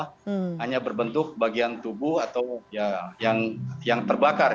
hanya berbentuk bagian tubuh atau yang terbakar